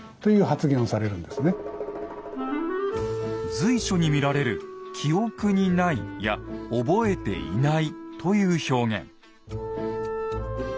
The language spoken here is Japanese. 随所に見られる「記憶にない」や「覚えていない」という表現。